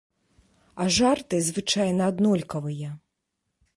А жарты звычайна аднолькавыя.